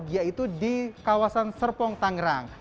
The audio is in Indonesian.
yaitu di kawasan serpong tangerang